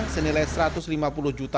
senilai strategis dan penjagaan